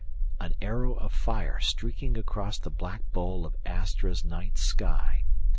An arrow of fire streaking across the black bowl of Astra's night sky.